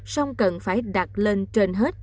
song cần phải đặt lên trên hết